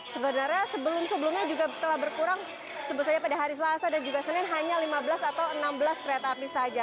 sebenarnya sebelum sebelumnya juga telah berkurang sebut saja pada hari selasa dan juga senin hanya lima belas atau enam belas kereta api saja